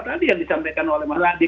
tadi yang disampaikan oleh mas nadie